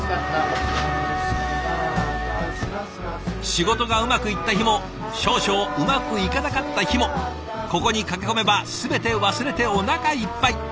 仕事がうまくいった日も少々うまくいかなかった日もここに駆け込めば全て忘れておなかいっぱい。